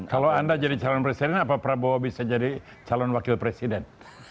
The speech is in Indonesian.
kalau anda jadi calon presiden apa prabowo bisa jadi calon wakil presiden